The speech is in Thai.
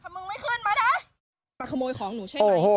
ถ้ามึงไม่ขึ้นมาน่ะมาขโมยของหนูใช่ไหมโอ้โห